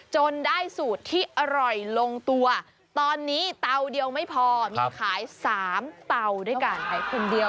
จนได้สูตรที่อร่อยลงตัวตอนนี้เตาเดียวไม่พอมีขาย๓เตาด้วยการขายคนเดียว